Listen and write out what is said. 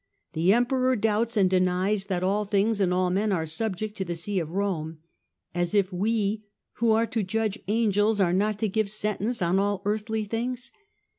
The Emperor doubts and denies that all things and all men are subject to the See of Rome. As if we who are to judge angels are not to give sentence on all earthly things